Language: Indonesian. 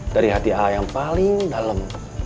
dari hati a a yang paling dalem